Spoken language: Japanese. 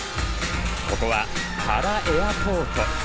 ここは、パラ・エアポート。